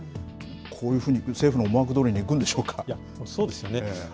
こういうふうに政府の思惑どおりそうですよね。